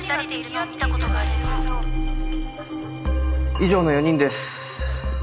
以上の４人です。